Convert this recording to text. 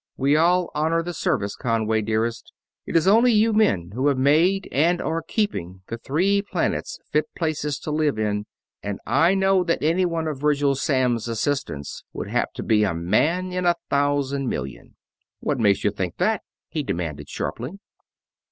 We all honor the Service, Conway dearest it is only you men who have made and are keeping the Three Planets fit places to live in and I know that any one of Virgil Samms' assistants would have to be a man in a thousand million...." "What makes you think that?" he demanded sharply.